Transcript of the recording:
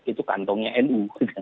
itu kantongnya nu